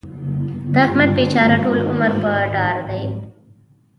د احمد بېچاره ټول عمر په دار دی.